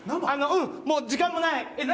もう時間もない。